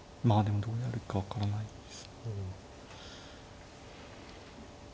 まあでもどうやるか分からないです。